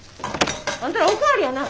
あんたらお代わりやな。